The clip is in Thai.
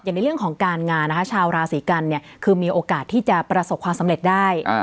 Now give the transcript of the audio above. ในเรื่องของการงานนะคะชาวราศีกันเนี่ยคือมีโอกาสที่จะประสบความสำเร็จได้